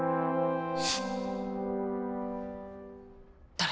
誰？